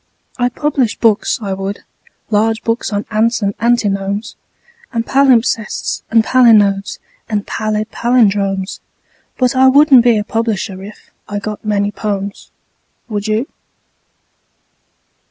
I'd publish books, I would large books on ants and antinomes And palimpsests and palinodes and pallid pallindromes: But I wouldn't be a publisher if .... I got many "pomes." Would you?